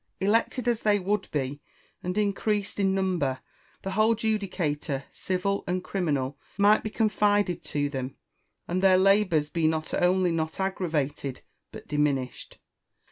Elected as they would be, and increased in number, the whole judicature, civil and criminal, might be confided to them, and their labours be not only not aggravated but diminished.